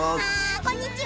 こんにちは。